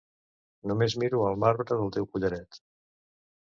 Només miro el marbre del teu collaret.